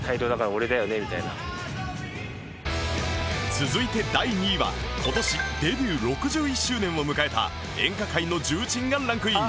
続いて第２位は今年デビュー６１周年を迎えた演歌界の重鎮がランクイン